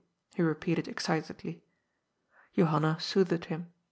he repeated excitedly. Johanna soothed him.